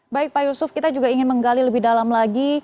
baik pak yusuf kita juga ingin menggali lebih dalam lagi